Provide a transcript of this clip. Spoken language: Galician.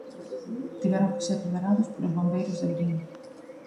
Tiveron que ser liberados polos bombeiros de Verín.